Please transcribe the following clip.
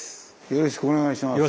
よろしくお願いします。